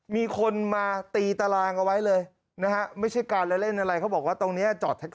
มีคนมาตีตารางเอาไว้เลยนะคะไม่ใช่การเล่นอะไร